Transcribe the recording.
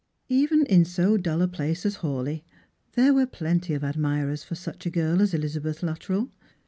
Even in so dull a place as Hawleigh there were plenty of ad mirers for such a girl as Elizabeth Luttrell.